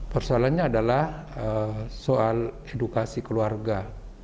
persoalannya adalah soal edukasi keluarga